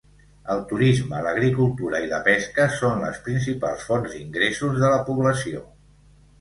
El turisme, l'agricultura i la pesca són les principals fonts d'ingressos de la població.